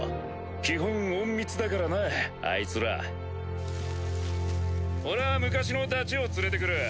基本隠密だからなあいつら。俺は昔のダチを連れてくる。